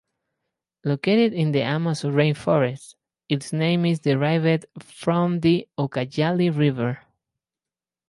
Located in the Amazon rainforest, its name is derived from the Ucayali River.